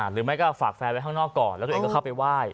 หรือไม่ก็ฝากแฟนไว้ข้างนอกก่อนแล้วตัวเองก็เข้าไปไหว้